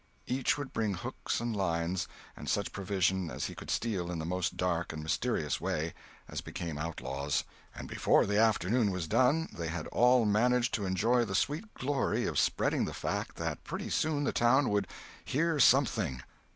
Each would bring hooks and lines, and such provision as he could steal in the most dark and mysterious way—as became outlaws. And before the afternoon was done, they had all managed to enjoy the sweet glory of spreading the fact that pretty soon the town would "hear something."